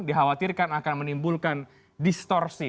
dikhawatirkan akan menimbulkan distorsi